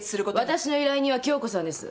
わたしの依頼人は京子さんです。